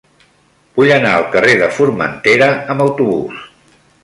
Vull anar al carrer de Formentera amb autobús.